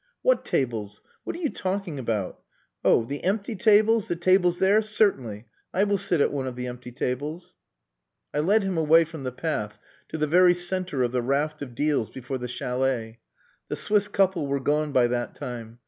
"What tables? What are you talking about? Oh the empty tables? The tables there. Certainly. I will sit at one of the empty tables." I led him away from the path to the very centre of the raft of deals before the chalet. The Swiss couple were gone by that time.